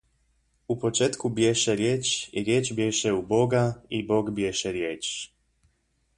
U početku bješe riječ, i riječ bješe u Boga, i Bog bješe riječ.